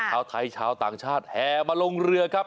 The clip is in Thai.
ชาวไทยชาวต่างชาติแห่มาลงเรือครับ